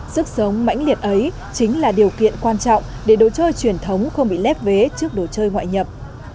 sức sống mãnh liệt ấy chính là điều kiện quan trọng để đồ chơi truyền thống không bị lép vế trước đồ chơi ngoại nhập